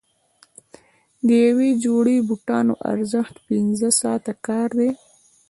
د یوې جوړې بوټانو ارزښت پنځه ساعته کار دی.